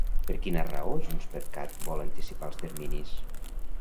Per quina raó JxCat vol anticipar els terminis?